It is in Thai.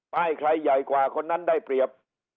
ใครใหญ่กว่าคนนั้นได้เปรียบ